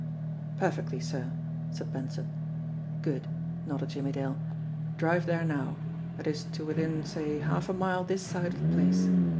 "Perfectly, sir," said Benson. "Good !" nodded Jimmie Dale. "Drive there now that is to within, say, half a mile this side of the place.